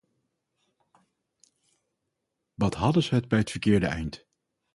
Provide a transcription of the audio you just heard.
Wat hadden ze het bij het verkeerde eind!